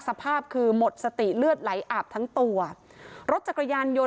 สภาพคือหมดสติเลือดไหลอาบทั้งตัวรถจักรยานยนต